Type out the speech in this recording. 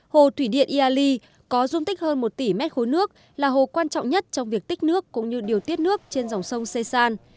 hồ thủy điện iali có dung tích hơn một tỷ mét khối nước là hồ quan trọng nhất trong việc tích nước cũng như điều tiết nước trên dòng sông sê san